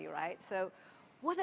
jadi apa yang harus